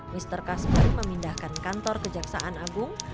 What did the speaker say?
mr kasper memindahkan kantor kejaksaan agung